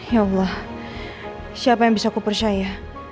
ya allah siapa yang bisa kupersyai ya